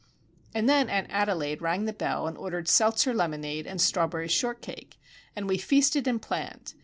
And then Aunt Adelaide rang the bell, and ordered seltzer lemonade and strawberry shortcake, and we feasted and planned.